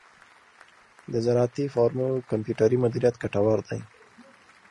د زراعتی فارمو کمپیوټري مدیریت ګټور دی.